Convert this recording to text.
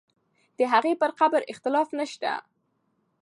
د هغې پر قبر اختلاف نه شته.